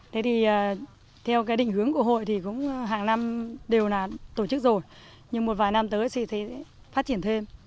thế thì theo cái định hướng của hội thì cũng hàng năm đều là tổ chức rồi nhưng một vài năm tới thì thấy phát triển thêm